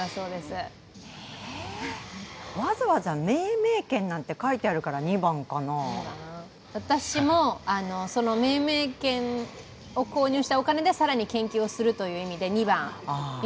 ええわざわざ命名権なんて書いてあるから２番かな私も、その命名権を購入したお金で更に研究するという意味で２番。